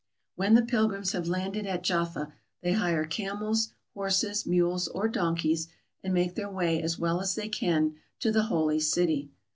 When the pilgrims have landed at Jaffa they hire camels, horses, mules, or donkeys, and make their way as well as they can to the Holy City.